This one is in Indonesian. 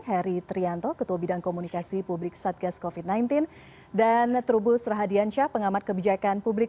heri trianto ketua bidang komunikasi publik satgas covid sembilan belas dan trubus rahadiansyah pengamat kebijakan publik